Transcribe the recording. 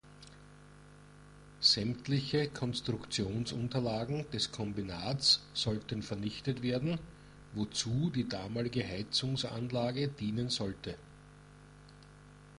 Sämtliche Konstruktionsunterlagen des Kombinats sollten vernichtet werden, wozu die damalige Heizungsanlage dienen sollte.